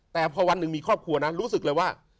แต่พอวันหนึ่งมีครอบครัวนั้นรู้สึกเลยว่า